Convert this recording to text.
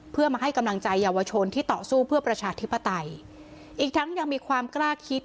เพื่อมาให้กำลังใจเยาวชนที่ต่อสู้เพื่อประชาธิปไตยอีกทั้งยังมีความกล้าคิด